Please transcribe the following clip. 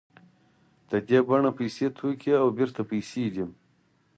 د دې بڼه پیسې توکي او بېرته پیسې دي